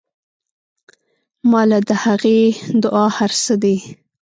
ما له د هغې دعا هر سه دي.